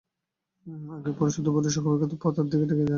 আজ্ঞে, পরশুই তো বটে– শুক্রবারকে তো পথের মধ্যে ঠেকিয়ে রাখা যায় না।